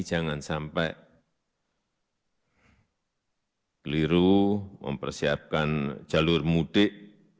jangan sampai keliru mempersiapkan jalur mudik